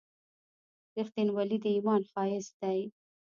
• رښتینولي د ایمان ښایست دی.